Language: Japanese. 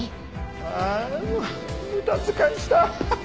ああもう無駄遣いした。